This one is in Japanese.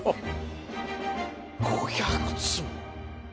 ５００坪！